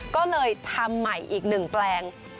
ก็เลยทำใหม่อีกหนึ่งแปลง